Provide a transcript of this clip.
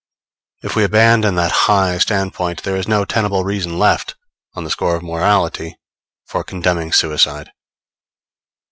If we abandon that high standpoint, there is no tenable reason left, on the score of morality, for condemning suicide.